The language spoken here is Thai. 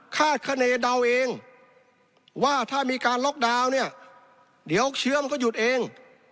คาดคณีเดาเองว่าถ้ามีการล็อกดาวน์เนี่ยเดี๋ยวเชื้อมันก็หยุดเอง